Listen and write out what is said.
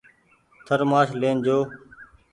ٿرمآش لين جو۔